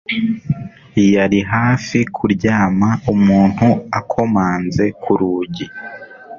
Yari hafi kuryama umuntu akomanze ku rugi